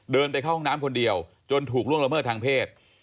เดินไปเข้าห้องน้ำคนเดียวจนถูกล่วงละเมิดทางเพศ